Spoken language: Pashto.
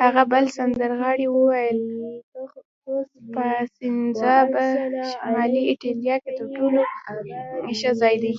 هغه بل سندرغاړي وویل: پایسنزا په شمالي ایټالیا کې تر ټولو ښه ځای دی.